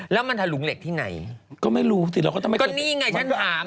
แล้วมันถลุงเหล็กที่ไหนก็ไม่รู้สิเราก็ไม่เคยก็นี่ไงฉันถาม